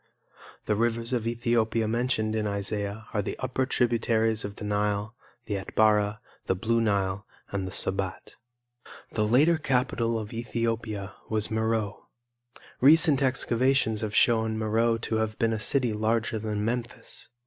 The rivers of Ethiopia mentioned in Isaiah are the upper tributaries of the Nile, the Atbara, the Blue Nile and the Sobat. The later capital of Ethiopia was Meroe. Recent excavations have shown Meroe to have been a city larger than Memphis.